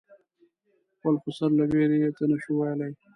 خپل خسر له وېرې یې څه نه شو ویلای.